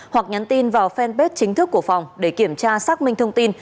hoặc nhắn tin vào fanpage chính thức của phòng để kiểm tra xác minh thông tin